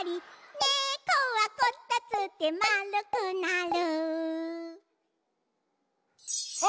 「ねこはこたつでまるくなる」あ！